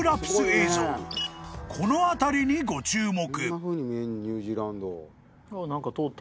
［この辺りにご注目］